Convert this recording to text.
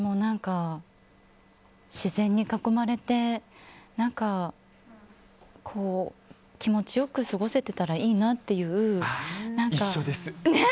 自然に囲まれて気持ちよく過ごせてたらいいなっていう。